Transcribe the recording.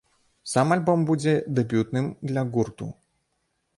Сам альбом будзе дэбютным для гурту.